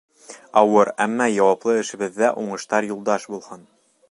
Ауыр, әммә яуаплы эшебеҙҙә уңыштар юлдаш булһын.